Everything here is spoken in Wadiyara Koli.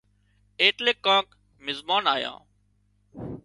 ايٽليڪ ڪانڪ مزمان آيان